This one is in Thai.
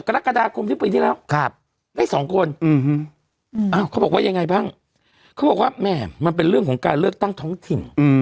ก็ได้๒ก็ได้๒ครับเขาบอกว่าแม่มันเป็นเรื่องของการเลือกตั้งท้องถิ่น